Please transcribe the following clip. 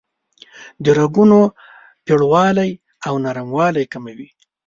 د رګونو پیړوالی او نرموالی کموي.